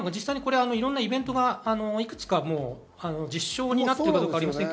いろんなイベントがいくつか実証になっているか分かりませんが。